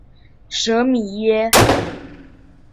舍米耶。